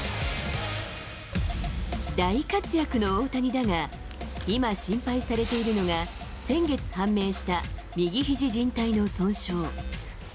大活躍の大谷だが、今、心配されているのが、先月判明した、右肘じん帯の損傷。